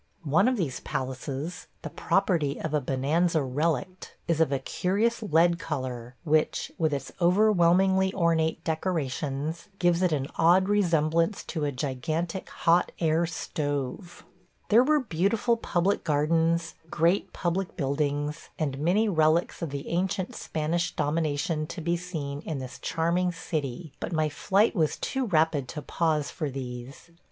One of these palaces – the property of a bonanza relict – is of a curious lead color, which, with its overwhelmingly ornate decorations, gives it an odd resemblance to a gigantic hot air stove. There were beautiful public gardens, great public buildings, and many relics of the ancient Spanish domination to be seen in this charming city, but my flight was too rapid to pause for these.